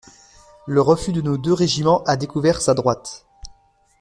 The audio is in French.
Le refus de nos deux régiments a découvert sa droite.